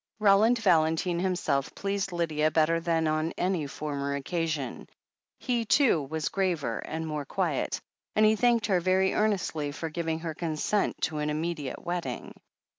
Roland Valentine himself pleased Lydia better than on any former occasion. He, too, was graver and more quiet, and he thanked her very earnestly for giving her consent to an immediate wedding.